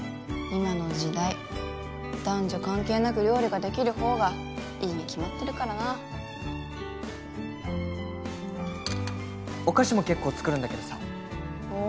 今の時代男女関係なく料理ができる方がいいに決まってるからなお菓子も結構作るんだけどさお